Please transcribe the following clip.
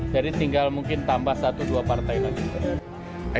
jadi tinggal mungkin tambah satu dua partai lagi